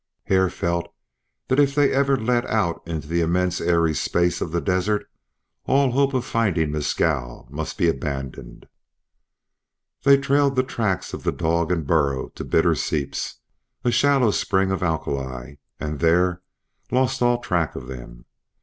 Hare felt that if they ever led out into the immense airy space of the desert all hope of finding Mescal must be abandoned. They trailed the tracks of the dog and burro to Bitter Seeps, a shallow spring of alkali, and there lost all track of them.